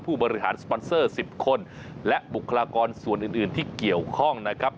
ผู้บริหารสปอนเซอร์๑๐คนและบุคลากรส่วนอื่นที่เกี่ยวข้องนะครับ